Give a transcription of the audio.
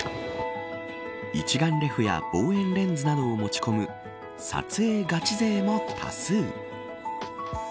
一眼レフや望遠レンズなどを持ち込む撮影ガチ勢も多数。